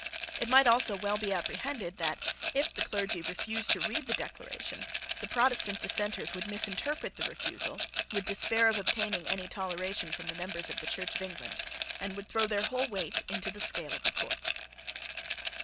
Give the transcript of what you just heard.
It might also well be apprehended that, if the clergy refused to read the Declaration, the Protestant Dissenters would misinterpret the refusal, would despair of obtaining any toleration from the members of the Church of England, and would throw their whole weight into the scale of the court.